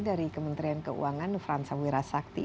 dari kementerian keuangan frans samwira sakti